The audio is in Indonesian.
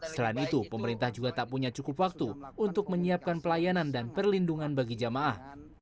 selain itu pemerintah juga tak punya cukup waktu untuk menyiapkan pelayanan dan perlindungan bagi jamaah